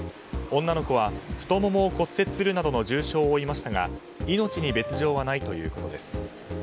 女の子は太ももを骨折するなどの重傷を負いましたが命に別条はないということです。